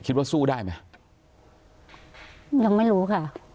คิดว่าสู้ได้ไหมยังไม่รู้ค่ะ